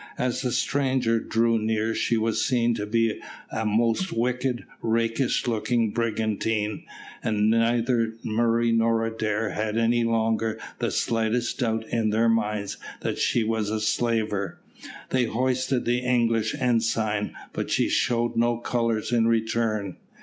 As the stranger drew near she was seen to be a most wicked, rakish looking brigantine, and neither Murray nor Adair had any longer the slightest doubt in their minds that she was a slaver. They hoisted the English ensign, but she showed no colours in return.